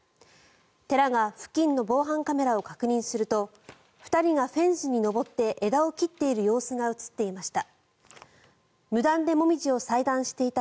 寺が付近の防犯カメラを確認すると２人がフェンスに登って枝を切っている様子が映っていました。